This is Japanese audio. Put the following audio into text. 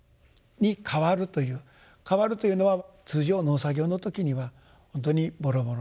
「かわる」というのは通常農作業の時には本当にぼろぼろの。